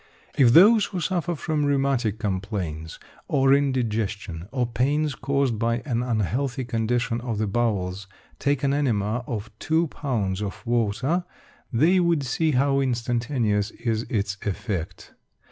If those who suffer from rheumatic complaints or indigestion or pains caused by an unhealthy condition of the bowels take an enema of 2 lbs. of water, they would see how instantaneous is its effect.